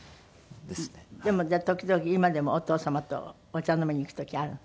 じゃあ時々今でもお父様とお茶飲みに行く時あるの？